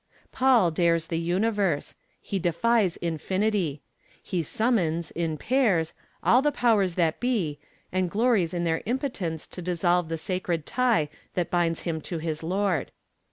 V Paul dares the universe. He defies infinity. He summons, in pairs, all the powers that be, and glories in their impotence to dissolve the sacred tie that binds him to his Lord.